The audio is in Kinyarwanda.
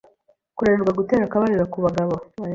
kunanirwa gutera akabariro ku bagabo,